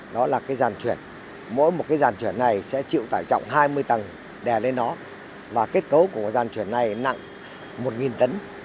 đó là cái dàn chuyển mỗi một cái dàn chuyển này sẽ chịu tải trọng hai mươi tầng đè lên nó và kết cấu của dàn chuyển này nặng một tấn